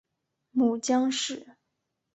母江氏。